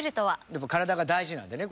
やっぱ体が大事なんでね。